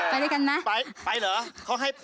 ไปเหรอเขาให้พี่ไม่ติดที่ตอบมือใช่ไหม